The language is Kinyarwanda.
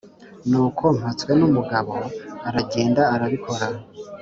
nuko mpatswenumugabo aragenda arabikora